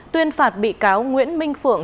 tuyên phạt bị cáo nguyễn minh phượng